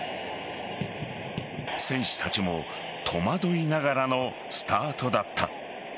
選手たちも戸惑いながらのスタートだった。